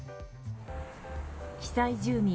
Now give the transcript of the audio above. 被災住民